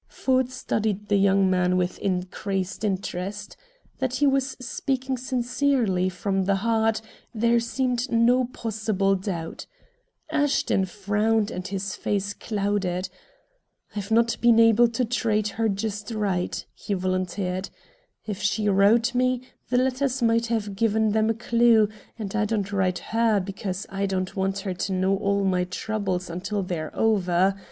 Ford studied the young man with increased interest. That he was speaking sincerely, from the heart, there seemed no possible doubt. Ashton frowned and his face clouded. "I've not been able to treat her just right," he volunteered. "If she wrote me, the letters might give them a clew, and I don't write HER because I don't want her to know all my troubles until they're over.